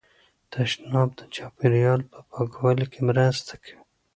تشناب د چاپیریال په پاکوالي کې مرسته کوي.